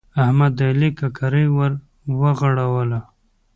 احمد د علي ککرۍ ور ورغړوله.